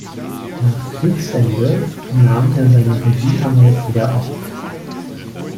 Nach Kriegsende nahm er seine Regiearbeit wieder auf.